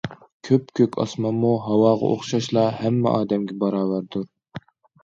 كۆپكۆك ئاسمانمۇ ھاۋاغا ئوخشاشلا، ھەممە ئادەمگە باراۋەردۇر.